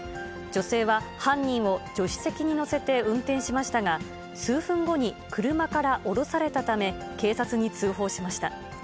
女性は犯人を助手席に乗せて運転しましたが、数分後に車から降ろされたため、警察に通報しました。